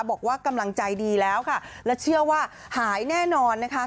บอกว่ากำลังใจดีแล้วค่ะและเชื่อว่าหายแน่นอนนะคะ